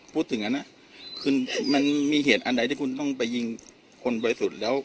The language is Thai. พูดถึงอันนั้นคือมันมีเหตุอันใดที่คุณต้องไปยิงคนบริสุทธิ์แล้ว